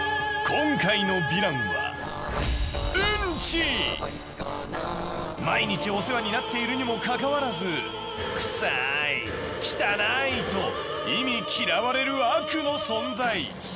今回のヴィランは毎日お世話になっているにもかかわらず「クサい」「汚い」と忌み嫌われる悪の存在。